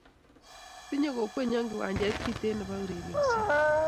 tinyei kokwenyo kiwanjet kinde nebo urerioshiek